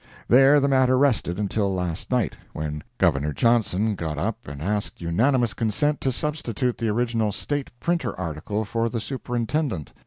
There the matter rested until last night, when Governor Johnson got up and asked unanimous consent to substitute the original State Printer article for the Superintendent.